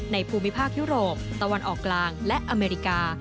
ภูมิภาคยุโรปตะวันออกกลางและอเมริกา